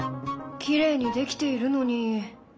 きれいに出来ているのに。